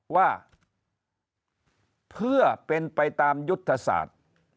ว่าเพื่อเป็นไปตามยุทธศาสตร์